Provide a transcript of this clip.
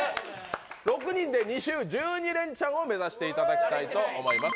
６人で２周、１２レンチャンを目指していただきたいと思います。